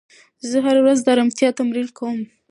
زه هره ورځ د ارامتیا تمرین کوم.